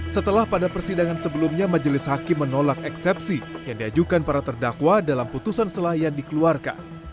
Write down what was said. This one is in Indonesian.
setelah pada persidangan sebelumnya majelis hakim menolak eksepsi yang diajukan para terdakwa dalam putusan selah yang dikeluarkan